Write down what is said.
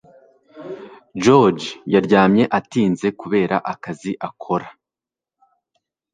George yaryamye atinze kubera akazi akora